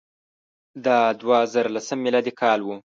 دا د دوه زره لسم میلادي کال وو.